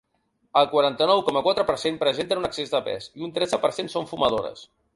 El quaranta-nou coma quatre per cent presenten excés de pes i un tretze per cent són fumadores.